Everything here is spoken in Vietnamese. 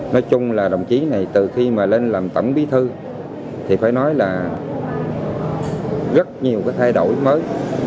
nói chung là đồng chí này từ khi mà lên làm tổng bí thư thì phải nói là rất nhiều cái thay đổi mới